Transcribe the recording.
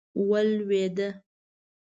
ولوېده.